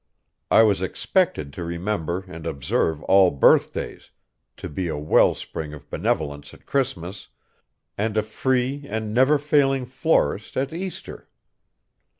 I was expected to remember and observe all birthdays, to be a well spring of benevolence at Christmas, and a free and never failing florist at Easter.